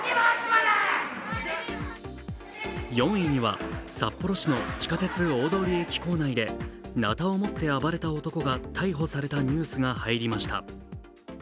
４位には、札幌市の地下鉄大通駅構内でなたを持って暴れた男が逮捕されたニュースが入りました。